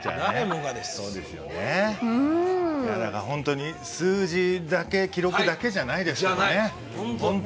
本当に数字だけ記録だけじゃないですね。